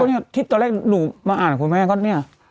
เนี่ยที่ตอนแรกหนูมาอ่านคุณแม่ก็เนี่ย